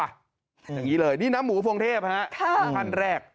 อย่างนี้เลยนี่น้ำหมูพวงเทพฮะขั้นแรก